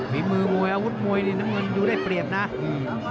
ฝีมือมวยอาวุธมวยนี่น้ำเงินดูได้เปรียบนะอืม